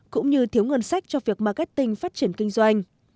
cũng như thiếu ngân sách cho việc marketing phát triển kinh doanh